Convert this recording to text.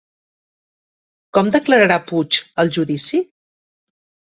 Com declararà Puig al judici?